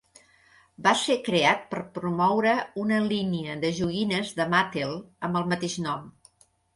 Va ser creat per promoure una línia de joguines de Mattel amb el mateix nom.